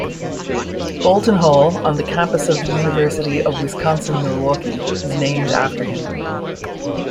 Bolton Hall on the campus of the University of Wisconsin-Milwaukee is named after him.